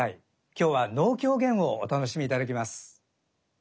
今日は能狂言をお楽しみいただきます。